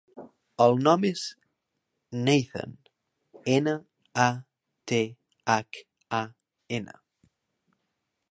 El nom és Nathan: ena, a, te, hac, a, ena.